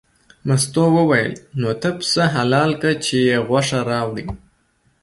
مستو وویل نو ته پسه حلال که چې یې غوښه راوړې.